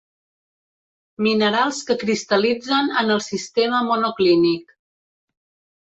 Minerals que cristal·litzen en el sistema monoclínic.